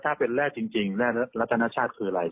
ถ้าเป็นแร่จริงแร่รัฐนาชาติคืออะไร